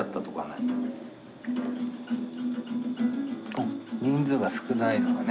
あっ人数が少ないのがね